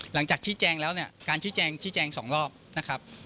หลังจากชี้แจงแล้วเนี่ยการชี้แจงชี้แจง๒รอบนะครับ